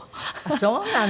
そうなの！